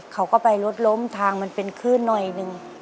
เขาก็ไปรถล้มทางมันเป็นขึ้นหน่อยหนึ่ง